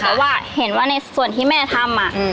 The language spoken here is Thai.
แต่ว่าเห็นว่าในส่วนที่แม่ทำอ่ะ